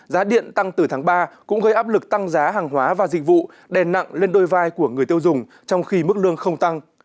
giá điện tăng từ tháng ba cũng gây áp lực tăng giá hàng hóa và dịch vụ đèn nặng lên đôi vai của người tiêu dùng trong khi mức lương không tăng